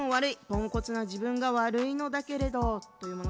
ポンコツな自分が悪いのだけれど」。